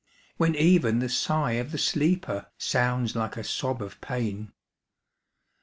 When even the sigh of the sleeper Sounds like a sob of pain.